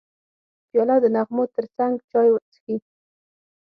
پیاله د نغمو ترڅنګ چای څښي.